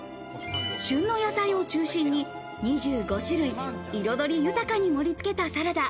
旬の野菜を中心に２５種類、彩り豊かに盛り付けたサラダ。